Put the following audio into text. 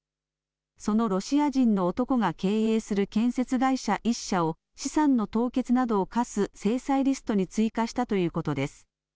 そのロシア人の男が経営する建設会社１社を資産の凍結などを科す制裁リストに追加したということです。